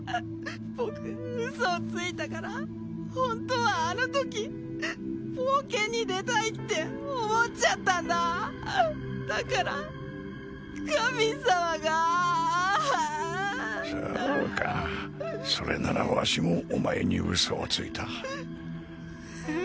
僕ウソをついたからホントはあのとき冒険に出たいって思っちゃったんだだから神様がそうかそれならわしもお前にウソをついたえっ？